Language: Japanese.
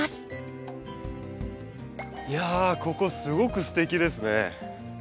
いやここすごくすてきですね。